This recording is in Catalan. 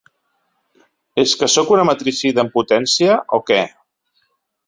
¿És que sóc un matricida en potència o què?